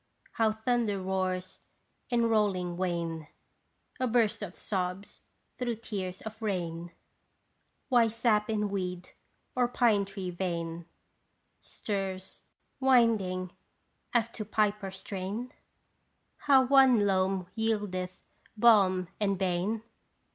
How thunder roars in rolling wane A burst of sobs through tears of rain ? Why sap in weed or pine tree vein Stirs, winding as to piper strain? How one loam yieldeth balm and bane